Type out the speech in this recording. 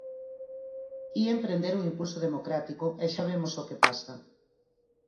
Ía emprender o impulso democrático, e xa vemos o que pasa.